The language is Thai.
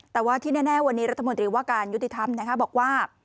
แต่ว่าที่แน่วันนี้รัฐมนตรีว่าการยุติธรรมบอกว่า